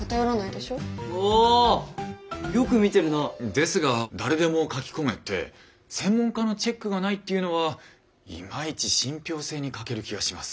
ですが誰でも書き込めて専門家のチェックがないっていうのはいまいち信ぴょう性に欠ける気がします。